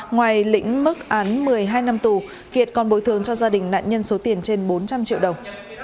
ngoài lĩnh mức án một mươi hai năm tù kiệt còn bồi thường cho gia đình nạn nhân số tiền trên bốn trăm linh triệu đồng